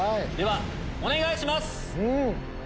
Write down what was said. ではお願いします！